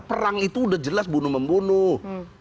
perang itu udah jelas bunuh membunuh